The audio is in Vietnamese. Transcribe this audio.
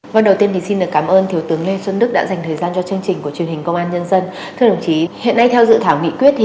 vâng đầu tiên thì xin được cảm ơn thiếu tướng lê xuân đức đã dành thời gian cho chương trình của truyền hình công an nhân dân